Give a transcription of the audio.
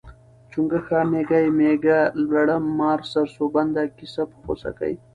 چونګښه، میږی، میږه، لړم، مار، سرسوبنده، کیسپ، غوسکی